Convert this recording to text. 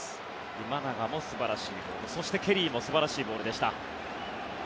今永も素晴らしいボールそして、ケリーも素晴らしいボールでした。